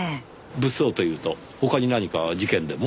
物騒というと他に何か事件でも？